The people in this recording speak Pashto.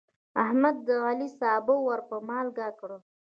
احمد د علي سابه ور په مالګه کړل.